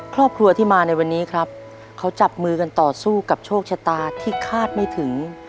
ครอบครัวที่มาในวันนี้ครับเขาจับมือกันต่อสู้กับโชคชะตาที่คาดไม่ถึง